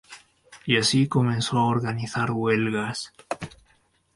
Y así comenzó a organizar huelgas.